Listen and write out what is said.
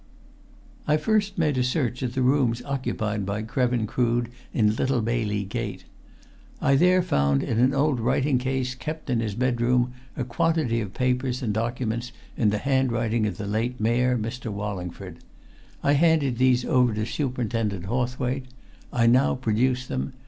"I first made a search at the rooms occupied by Krevin Crood in Little Bailey Gate. I there found in an old writing case kept in his bedroom a quantity of papers and documents in the handwriting of the late Mayor, Mr. Wallingford. I handed these over to Superintendent Hawthwaite. I now produce them.